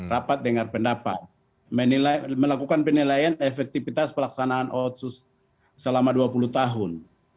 rapat dengar pendapat melakukan penilaian efektivitas pelaksanaan otsus selama dua puluh tahun